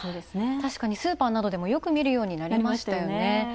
確かにスーパーなどでもよく見るようになりましたよね。